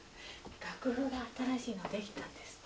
楽譜が新しいのできたんですって？